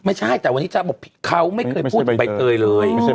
ไม่ใช่แต่วันนี้จ๊ะบอกเขาไม่เคยพูดกับใบเตยเลย